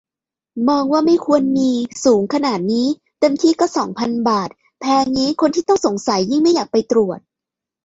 มองว่าไม่ควรมี สูงขนาดนี้ เต็มที่ก็สองพันบาท แพงงี้คนที่ต้องสงสัยยิ่งไม่อยากไปตรวจ